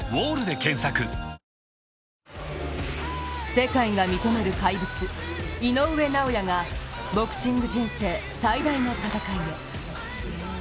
世界が認める怪物、井上尚弥がボクシング人生最大の戦いへ。